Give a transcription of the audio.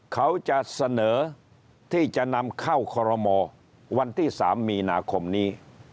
เขาจะเสนอที่จะนำเข้าคอรมอวันที่๓มีนาคมนี้